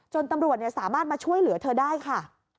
ตำรวจสามารถมาช่วยเหลือเธอได้ค่ะ